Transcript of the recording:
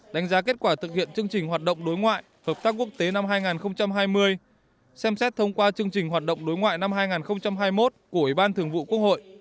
đánh giá kết quả thực hiện chương trình hoạt động đối ngoại hợp tác quốc tế năm hai nghìn hai mươi xem xét thông qua chương trình hoạt động đối ngoại năm hai nghìn hai mươi một của ủy ban thường vụ quốc hội